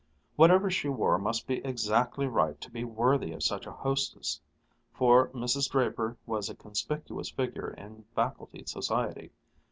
Whatever she wore must be exactly right to be worthy of such a hostess: for Mrs. Draper was a conspicuous figure in faculty society.